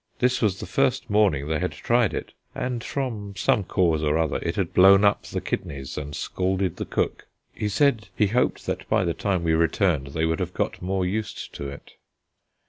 This was the first morning they had tried it, and from some cause or other it had blown up the kidneys and scalded the cook. He said he hoped that by the time we returned they would have got more used to it.